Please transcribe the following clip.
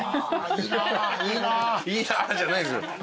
「いいな」じゃないんですよ。